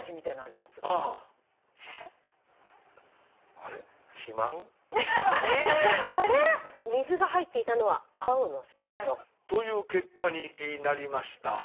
あれ⁉水が入っていたのは青のスポイト。という結果になりました。